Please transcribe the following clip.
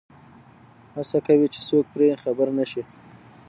هڅه کوي چې څوک پرې خبر نه شي.